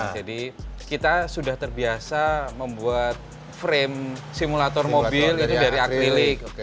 jadi kita sudah terbiasa membuat frame simulator mobil itu dari akrilik